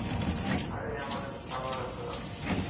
আরে, আমার জন্য চা অর্ডার করো।